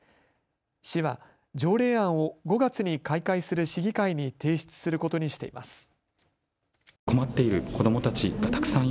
市は条例案を５月に開会する市議会に提出することにしています。